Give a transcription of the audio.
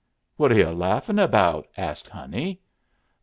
"What are yu' laughin' about?" asked Honey.